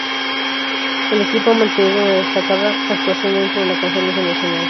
El equipo ha mantenido una destacada actuación dentro de la Conferencia Nacional.